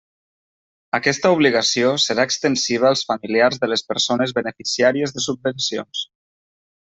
Aquesta obligació serà extensiva als familiars de les persones beneficiàries de subvencions.